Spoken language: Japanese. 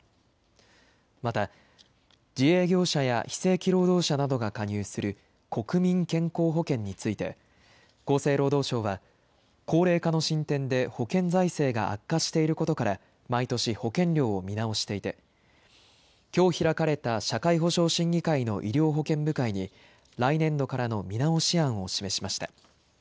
また自営業者や非正規労働者などが加入する国民健康保険について、厚生労働省は、高齢化の進展で保険財政が悪化していることから、毎年、保険料を見直していて、きょう開かれた社会保障審議会の医療保険部会に、来年度からの見直し案を示しました。